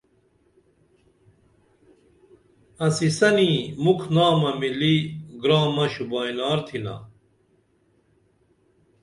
انسی سنی مُکھ نامہ مِلی گرامہ شوبئینار تِھنا